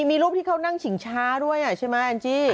มีรูปที่เขานั่งฉิงช้าด้วยใช่ไหมแองจี้